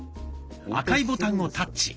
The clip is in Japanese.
赤いボタンをタッチ。